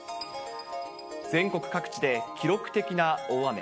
全国各地で記録的な大雨。